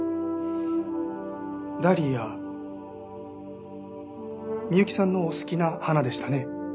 ダリア美幸さんのお好きな花でしたね。